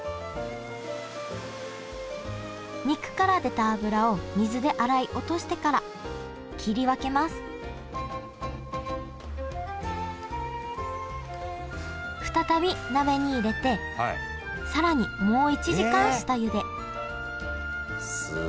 肉から出た脂を水で洗い落としてから切り分けます再び鍋に入れて更にもう一時間下ゆですごい。